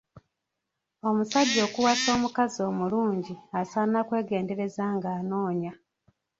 Omusajja okuwasa omukazi omulungi asaana kwegendereza ng'anoonya.